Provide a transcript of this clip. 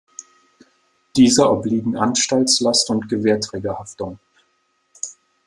Dieser obliegen Anstaltslast und Gewährträgerhaftung.